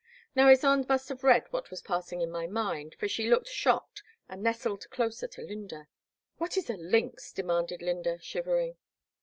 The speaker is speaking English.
Now Ysonde must have read what was passing in my mind, for she looked shocked and nestled closer to Lynda. What is a lynx, '* demanded Lynda, shivering.